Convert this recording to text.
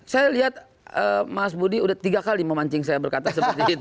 saya lihat mas budi udah tiga kali memancing saya berkata seperti itu